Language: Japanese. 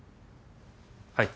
はい。